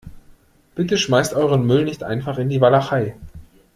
Bitte schmeißt euren Müll nicht einfach in die Walachei.